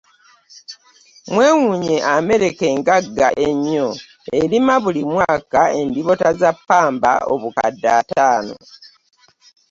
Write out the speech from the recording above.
Mwewunye America engagga ennyo erima buli mwaka endibota za Pamba obukadde ataano.